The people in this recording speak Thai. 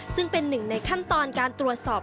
ซึ่งเป็นหนึ่งในขั้นตอนการตรวจสอบ